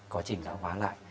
có trình thoải hóa lại